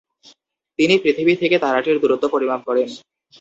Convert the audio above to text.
তিনি পৃথিবী থেকে তারাটির দূরত্ব পরিমাপ করেন।